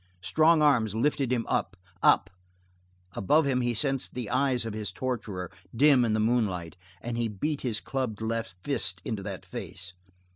Strong arms lifted him up, up; above him he sensed the eyes of his torturer, dim in moonlight, and he beat his clubbed left fist into that face.